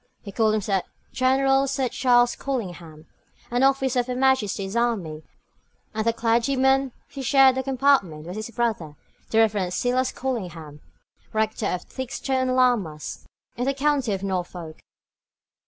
He called himself General Sir Charles Collingham, an officer of her Majesty's army; and the clergyman who shared the compartment was his brother, the Reverend Silas Collingham, rector of Theakstone Lammas, in the county of Norfolk.